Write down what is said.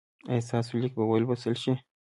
ایا ستاسو لیک به ولوستل شي؟